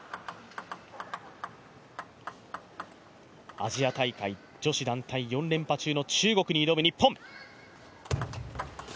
アジア大会女子団体４連覇中の中国に挑む日本。